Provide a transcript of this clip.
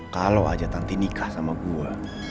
kalau aja tanti nikah sama gue